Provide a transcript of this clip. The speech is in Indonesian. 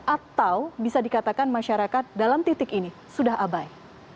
atau bisa dikatakan masyarakat dalam titik ini sudah abai